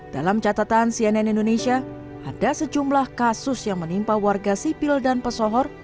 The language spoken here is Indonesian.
dalam catatan cnn indonesia ada sejumlah kasus yang menimpa warga sipil dan pesohor